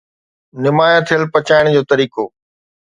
نمايان ٿيل پچائڻ جو طريقو